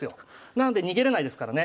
なので逃げれないですからね。